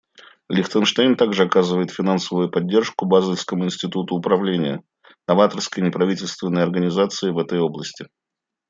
Лихтенштейн также оказывает финансовую поддержку Базельскому институту управления — новаторской неправительственной организации в этой области.